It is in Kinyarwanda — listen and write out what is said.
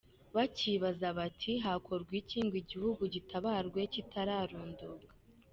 Bakibaza bati hakorwa iki ngo igihugu gitabarwe kitararunduka?